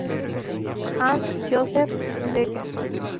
Hans-Josef Becker.